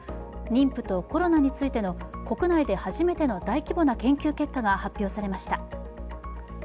妊婦とコロナについての国内で初めての大規模な研究結果が発表されました。